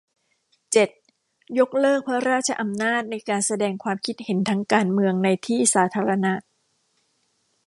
เจ็ด ยกเลิกพระราชอำนาจในการแสดงความคิดเห็นทางการเมืองในที่สาธารณะ